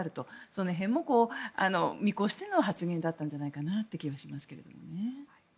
その辺も見越しての発言だったんじゃないかという気がしますね。